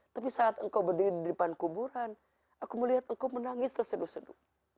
tapi saat engkau berdiri di depan kuburan aku melihat engkau menangis terseduh seduh